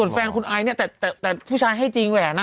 แฟนคุณไอซ์เนี่ยแต่ผู้ชายให้จริงแหวน